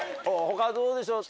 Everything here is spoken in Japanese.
他どうでしょう？